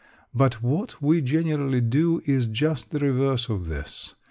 But what we generally do is just the reverse of this.